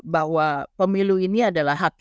bahwa pemilu ini adalah